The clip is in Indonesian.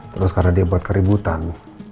terus karena dia buat keributan